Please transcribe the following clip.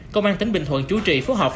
công an tỉnh bình thuận chú trị phố học